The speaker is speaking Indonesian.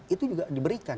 itu juga diberikan